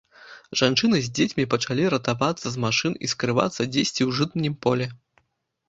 Жанчыны з дзецьмі пачалі ратавацца з машын і скрывацца дзесьці ў жытнім полі.